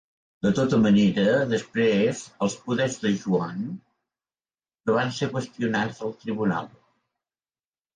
De tota manera després els poders de Yuan no van ser qüestionats al tribunal.